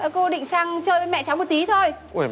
cô định sang chơi với mẹ cháu một tí thôi